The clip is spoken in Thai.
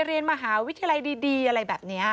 เรียนมหาวิทยาลัยดีอะไรแบบนี้